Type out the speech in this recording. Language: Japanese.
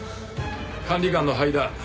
管理官の羽井だ。